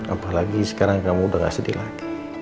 apalagi sekarang kamu udah gak sedih lagi